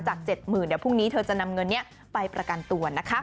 ๗๐๐๐เดี๋ยวพรุ่งนี้เธอจะนำเงินนี้ไปประกันตัวนะคะ